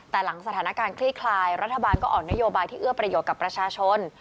แต่หลังสถานการณ์คลี่คลายรัฐบาลก็ออกนโยบายที่เอื้อประโยชน์กับประชาชน